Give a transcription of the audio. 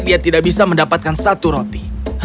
dia tidak bisa mendapatkan satu roti